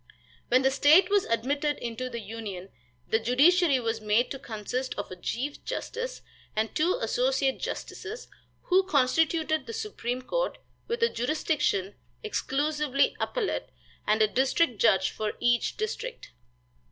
When the state was admitted into the Union the judiciary was made to consist of a chief justice and two associate justices, who constituted the supreme court, with a jurisdiction exclusively appellate, and a district judge for each district.